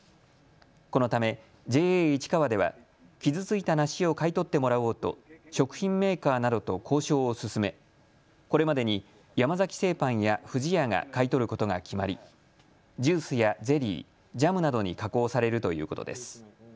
このためＪＡいちかわでは傷ついた梨を買い取ってもらおうと食品メーカーなどと交渉を進めこれまでに山崎製パンや不二家が買い取ることが決まりジュースやゼリー、ジャムなどに加工されるということです。